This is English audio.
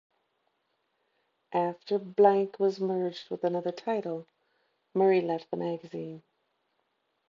After "Blank" was merged with another title, Murray left the magazine.